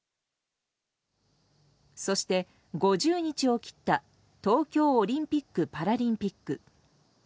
そして、５０日を切った東京オリンピック・パラリンピック。